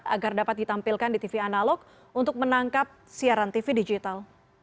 agar dapat ditampilkan di tv analog untuk menangkap siaran tv digital